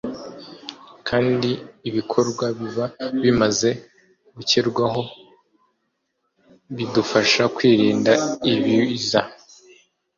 kandi ibikorwa biba bimaze gukerwaho bidufasha kwirinda ibiza